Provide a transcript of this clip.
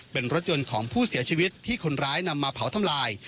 เป็นรถยนต์ของผู้เสียชีวิตที่คนร้ายนำมาเผาทำลาย